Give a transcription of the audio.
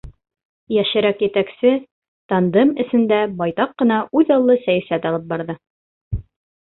Йәшерәк етәксе тандем эсендә байтаҡ ҡына үҙаллы сәйәсәт алып барҙы.